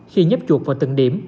khi nhấp chuột vào từng điểm